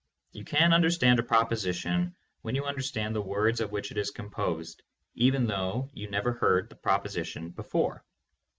You can understand a proposition when you understand the words of which it is composed even though you never heard the proposition before.